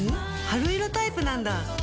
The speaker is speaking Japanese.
春色タイプなんだ。